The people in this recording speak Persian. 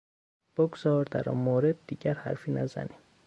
بگذار در آن مورد دیگر حرفی نزنیم.